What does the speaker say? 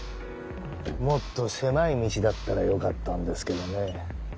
もっと狭い道だったらよかったんですけどね。